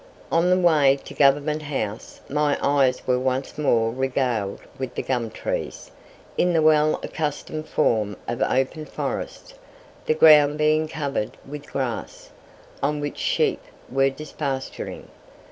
On the way to Government House, my eyes were once more regaled with the gum trees, in the well accustomed form of open forest, the ground being covered with grass, on which sheep were depasturing.